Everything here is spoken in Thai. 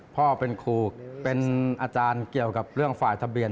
พ่อเป็นครูเป็นอาจารย์เกี่ยวกับเรื่องฝ่ายทะเบียน